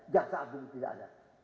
jaksa agung dengan pak gita